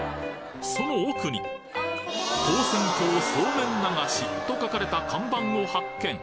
その奥に「唐船峡そうめん流し」と書かれた看板を発見